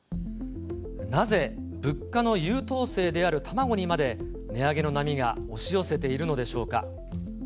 なぜ物価の優等生である卵にまで値上げの波が押し寄せているのでしょうか。